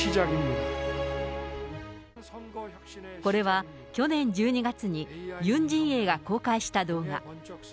これは去年１２月に、ユン陣営が公開した動画。